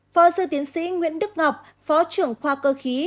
phó sư tiến sĩ nguyễn đức ngọc phó trưởng khoa cơ khí